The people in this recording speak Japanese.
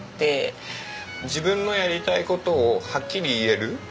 自分のやりたい事をはっきり言える。